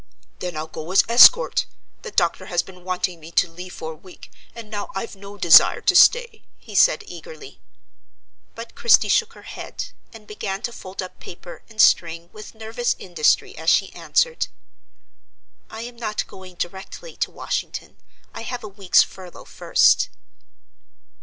"Then I'll go as escort. The doctor has been wanting me to leave for a week, and now I've no desire to stay," he said eagerly. But Christie shook her head, and began to fold up paper and string with nervous industry as she answered: "I am not going directly to Washington: I have a week's furlough first."